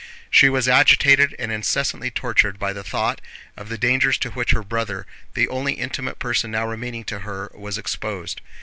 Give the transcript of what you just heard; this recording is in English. She was agitated and incessantly tortured by the thought of the dangers to which her brother, the only intimate person now remaining to her, was exposed.